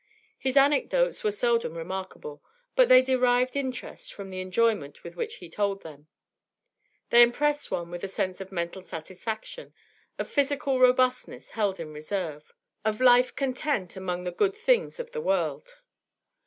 His anecdotes were seldom remarkable, but they derived interest from the enjoyment with which he told them; they impressed one with a sense of mental satisfaction, of physical robustness held in reserve, of life content among the good things of the world.